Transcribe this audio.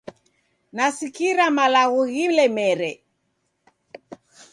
Nasikira malagho ghilemere